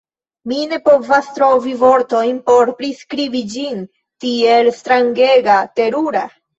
Mi ne povas trovi vortojn por priskribi ĝin, tiel strangega, terura!